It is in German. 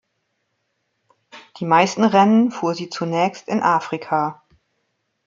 Die meisten Rennen fuhr sie zunächst in Afrika.